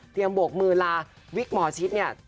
เตรียมบวกมือลาวิกหมอชิดนี่